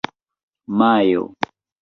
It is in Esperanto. majo